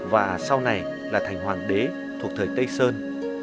và sau này là thành hoàng đế thuộc thời tây sơn